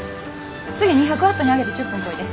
次２００ワットに上げて１０分こいで。